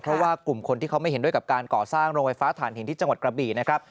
เพราะว่ากลุ่มคนที่เขาไม่เห็นด้วยกับการก่อสร้างโรงไฟฟ้าฐานหินที่จังหวัดกระบี่นะครับ